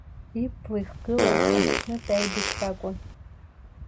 Ибла ихгылаз аҽнытәи аибашьракәын.